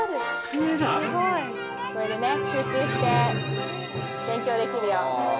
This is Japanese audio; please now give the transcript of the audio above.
これでね集中して勉強できるよ。